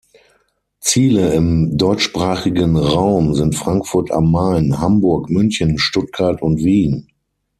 Ziele im deutschsprachigen Raum sind Frankfurt am Main, Hamburg, München, Stuttgart und Wien.